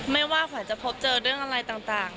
ไม่ว่าขวัญจะพบเจอเรื่องอะไรต่าง